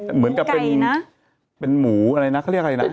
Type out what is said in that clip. เหมือนกับเป็นหมูอะไรนะเขาเรียกอะไรนะ